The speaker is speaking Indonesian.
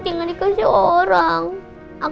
jangan dikasih orang